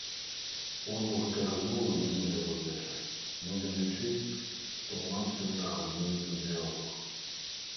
Форму гэтай размовы не будзем вызначаць, будзем лічыць, што ў нас сёння адбудзецца дыялог.